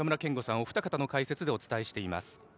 お二方の解説でお伝えしています。